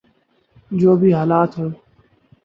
جو بھی حالات ہوں۔